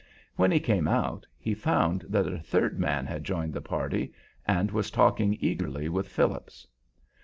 When he came out he found that a third man had joined the party and was talking eagerly with Phillips.